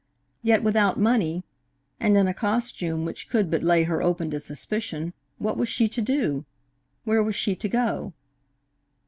Yet without money, and in a costume which could but lay her open to suspicion, what was she to do? Where was she to go?